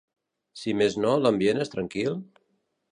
Si més no, l'ambient és tranquil?